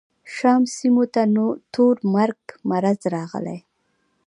شام سیمو ته تور مرګ مرض راغلی.